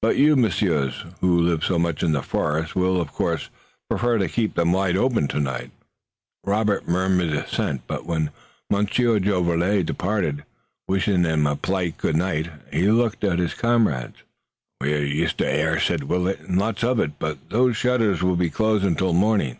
But you, messieurs, who live so much in the forest, will, of course, prefer to keep them wide open tonight." Robert murmured assent, but when Monsieur Jolivet departed, wishing them a polite good night, he looked at his comrades. "We are used to air," said Willet, "and lots of it, but those shutters will be closed until morning.